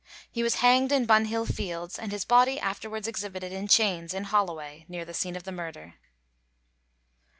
He was hanged in Bunhill Fields, and his body afterwards exhibited in chains in Holloway near the scene of the murder.